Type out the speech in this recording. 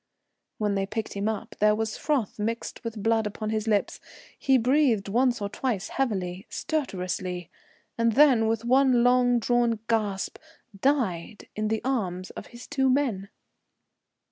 When they picked him up, there was froth mixed with blood upon his lips, he breathed once or twice heavily, stertorously, and then with one long drawn gasp died in the arms of his two men.